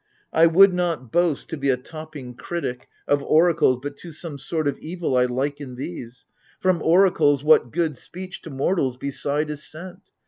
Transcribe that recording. I would not boast to be a topping critic 94 AGAMEMNON. Of oracles : but to some sort of evil I liken these. From oracles, what good speech To mortals, beside, is sent